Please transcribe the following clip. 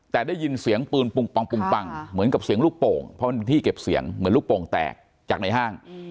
แต่ได้ยินเสียงปืนปุงปังเหมือนกับเสียงลูกโป่งเพราะมันเป็นที่เก็บเสียงเหมือนลูกโป่งแตกจากในห้าง